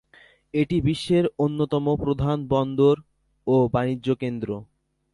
এটি বিশ্বের অন্যতম প্রধান বন্দর, ও বাণিজ্যকেন্দ্র।